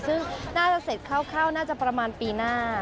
ซึ่งน่าจะเสร็จคร่าวน่าจะประมาณปีหน้า